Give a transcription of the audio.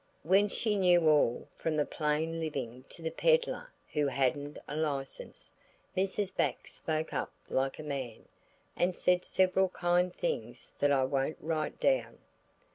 When she knew all, from the plain living to the peddler who hadn't a license, Mrs. Bax spoke up like a man, and said several kind things that I won't write down.